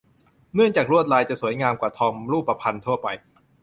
เนื่องจากลวดลายจะสวยงามกว่าทองรูปพรรณทั่วไป